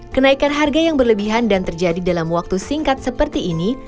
kenaikan harga yang berlebihan dan terjadi dalam waktu singkat seperti ini